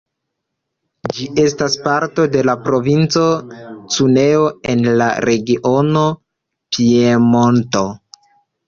Ĝi estas parto de la provinco Cuneo en la regiono Piemonto.